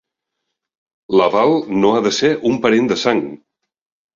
L'aval no ha de ser un parent de sang.